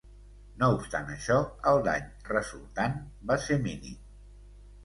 No obstant això, el dany resultant va ser mínim.